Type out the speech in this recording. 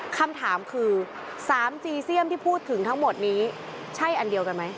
คำถามคือ๓จีเซียมที่พูดถึงทั้งหมดนี้ใช่อันเดียวกันไหม